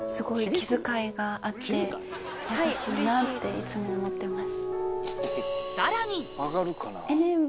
いつも思ってます。